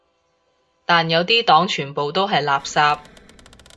但有啲黨全部都係垃圾